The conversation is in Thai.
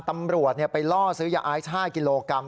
ตำรวจไปล่อซื้อยาไอซ์๕กิโลกรัม